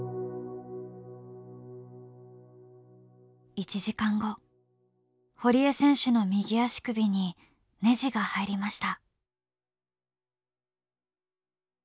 １時間後堀江選手の右足首にねじが入りました。